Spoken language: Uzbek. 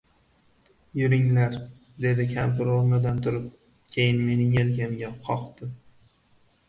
— Yuringlar, — dedi kampir o‘rnidan turib. Keyin mening yelkamga qoqdi.